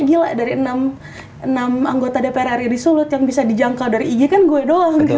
gila dari enam anggota dpr ri di sulut yang bisa dijangkau dari ig kan gue doang